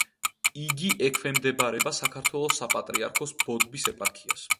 იგი ექვემდებარება საქართველოს საპატრიარქოს ბოდბის ეპარქიას.